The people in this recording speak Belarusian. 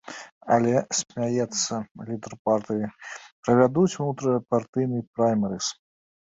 Але, смяецца лідар партыі, правядуць унутрыпартыйны праймерыз.